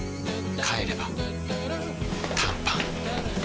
帰れば短パン